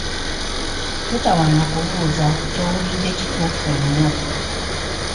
Totawaana kubuuza kyowulidde kituufu nnyo.